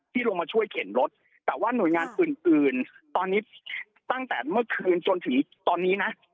ลงมาช่วยเข็นรถแต่ว่าหน่วยงานอื่นตอนนี้ตั้งแต่เมื่อคืนจนถึงตอนนี้นะ